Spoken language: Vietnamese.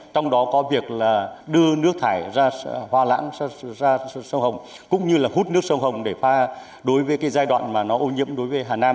trong đó có việc là đưa nước thải ra hoa lãng ra sông hồng cũng như là hút nước sông hồng để pha đối với cái giai đoạn mà nó ô nhiễm đối với hà nam